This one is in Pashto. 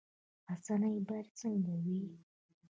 رسنۍ باید څنګه وي؟